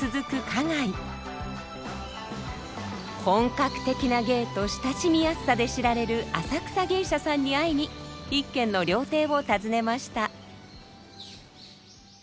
本格的な芸と親しみやすさで知られる浅草芸者さんに会いに一軒の料亭を訪ねました。